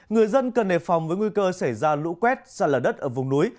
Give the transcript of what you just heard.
người dân cần nề phòng với nguy cơ xảy ra lũ quét ra lở đất ở vùng núi